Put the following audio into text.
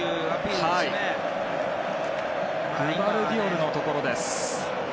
グバルディオルのところ。